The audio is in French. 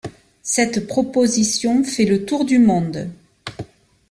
Cette proposition fait le tour du monde.